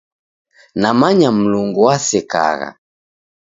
Namanya Mlungu wasekagha.